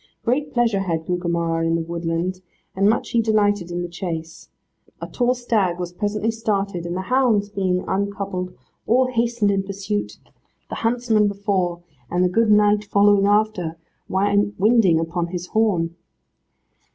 Great pleasure had Gugemar in the woodland, and much he delighted in the chase. A tall stag was presently started, and the hounds being uncoupled, all hastened in pursuit the huntsmen before, and the good knight following after, winding upon his horn.